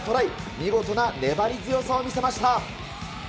見事な粘り強さを見せました。